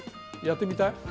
やってみたい。